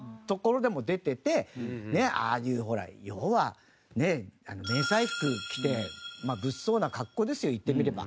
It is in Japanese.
ああいうほら要は迷彩服着て物騒な格好ですよ言ってみれば。